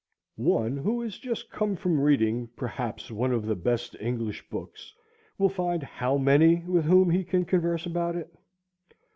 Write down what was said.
One who has just come from reading perhaps one of the best English books will find how many with whom he can converse about it?